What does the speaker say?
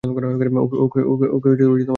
ওকে ধরে রাখো!